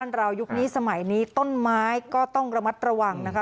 เรายุคนี้สมัยนี้ต้นไม้ก็ต้องระมัดระวังนะคะ